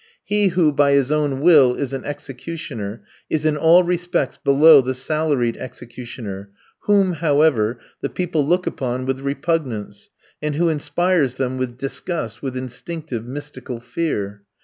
He who, by his own will, is an executioner, is in all respects below the salaried executioner, whom, however, the people look upon with repugnance, and who inspires them with disgust, with instinctive mystical fear.